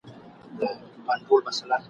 یو پل په لار کي پروت یمه پرېږدې یې او که نه !.